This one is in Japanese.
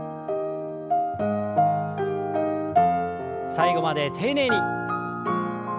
最後まで丁寧に。